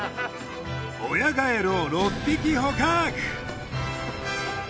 親ガエルを６匹捕獲。